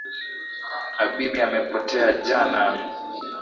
Habibi amepotea jana.